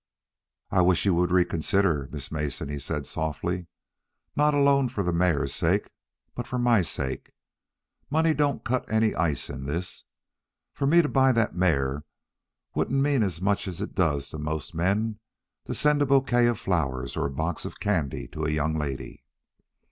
"I wish you would reconsider, Miss Mason," he said softly. "Not alone for the mare's sake, but for my sake. Money don't cut any ice in this. For me to buy that mare wouldn't mean as it does to most men to send a bouquet of flowers or a box of candy to a young lady.